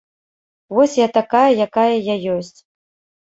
Вось я такая, якая я ёсць.